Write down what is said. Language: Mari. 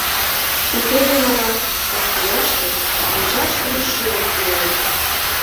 Уке гын ава — ош тӱняште Мучашдыме шӱлык ила.